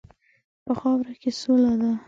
په خاوره کې سوله ده.